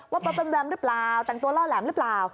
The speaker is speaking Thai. ว่าเป็นแบบนี้หรือเปล่าแต่งตัวเล่าแหลมหรือเปล่า